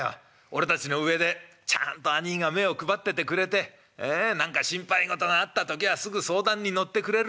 俺たちの上でちゃんと兄ぃが目を配っててくれて何か心配事があった時はすぐ相談に乗ってくれるしね。